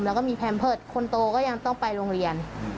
แล้วก็มีแพมเพิร์ตคนโตก็ยังต้องไปโรงเรียน